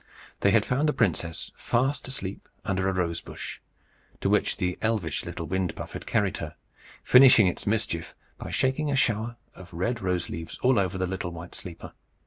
They had found the princess fast asleep under a rose bush, to which the elvish little wind puff had carried her, finishing its mischief by shaking a shower of red rose leaves all over the little white sleeper.